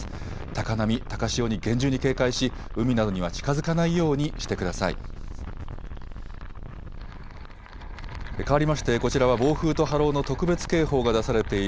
高波、高潮に厳重に警戒し海などには近づかないようにしてください。